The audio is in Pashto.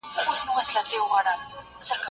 زه هره ورځ کتابونه ليکم؟؟